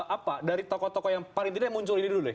apa dari tokoh tokoh yang paling tidak muncul ini dulu deh